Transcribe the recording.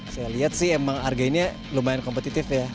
saya lihat sih emang harga ini lumayan kompetitif ya